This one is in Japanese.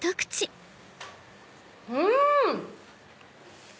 うん！